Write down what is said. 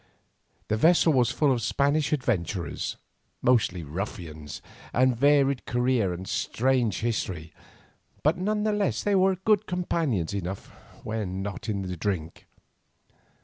The vessel was full of Spanish adventurers, mostly ruffians of varied career and strange history, but none the less good companions enough when not in drink.